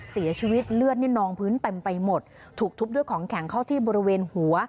เสียชีวิตเลือดนี่นองพื้นเต็มไปหมดถูกทุบด้วยของแข็งเข้าที่บริเวณหัว